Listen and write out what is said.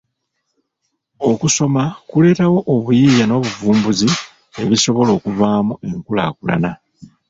Okusoma kuleetawo obuyiiya n'obuvumbuzi ebisobola okuvaamu enkulaakulana.